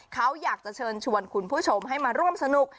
เขาอยากจะเชิญชวนคุณผู้ชมให้มาร่วมสนุก